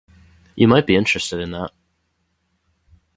You might be interested in that